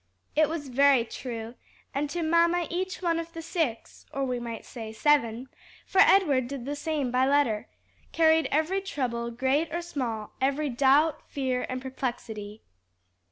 It was very true, and to mamma each one of the six or we might say seven, for Edward did the same by letter carried every trouble, great or small, every doubt, fear, and perplexity.